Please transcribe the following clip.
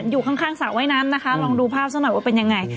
อยู่ข้างสระว่ายน้ำนะคะลองดูภาพซะหน่อยว่าเป็นยังไง